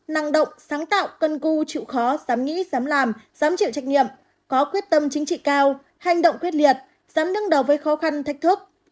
năng động sáng tạo cân cưu chịu khó dám nghĩ dám làm dám chịu trách nhiệm có quyết tâm chính trị cao hành động quyết liệt dám đương đầu với khó khăn thách thức